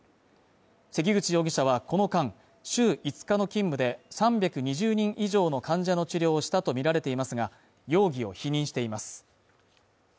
関口容疑者はこの間、週５日の勤務で３２０人以上の患者の治療をしたとみられていますが、容疑を否認しています。